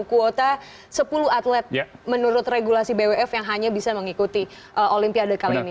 kuota sepuluh atlet menurut regulasi bwf yang hanya bisa mengikuti olimpiade kali ini